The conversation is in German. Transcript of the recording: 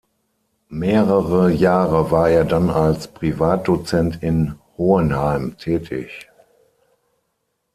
Mehrere Jahre war er dann als Privatdozent in Hohenheim tätig.